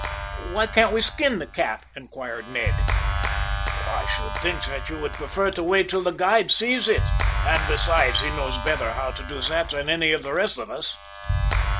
"Why can't we skin the cat?" inquired Ned. "I should think you would prefer to wait till the guide sees it. And, besides, he knows better how to do that than any of the rest of us."